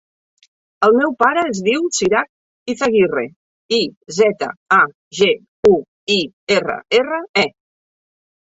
El meu pare es diu Siraj Izaguirre: i, zeta, a, ge, u, i, erra, erra, e.